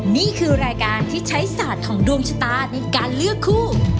นี่คือรายการที่ใช้ศาสตร์ของดวงชะตาในการเลือกคู่